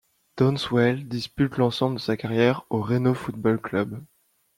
Downswell dispute l'ensemble de sa carrière au Reno Football Club.